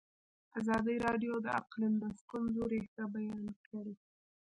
ازادي راډیو د اقلیم د ستونزو رېښه بیان کړې.